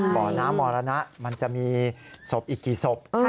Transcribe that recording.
บ่อน้ำมรณะมันจะมีศพอีกกี่ศพ